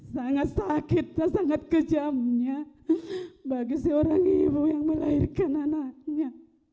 sangat sakit dan sangat kejamnya bagi seorang ibu yang melahirkan anaknya